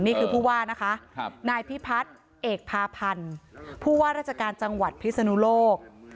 นี่คือผู้ว่านะคะนายพิพัฒน์เอกพาพันธ์ผู้ว่าราชการจังหวัดพิศนุโลก